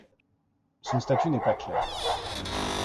Son statut n'est pas clair.